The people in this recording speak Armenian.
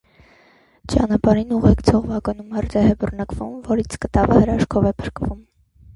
Ճանապարհին ուղեկցող վագոնում հրդեհ է բռնկվում, որից կտավը հրաշքով է փրկվում։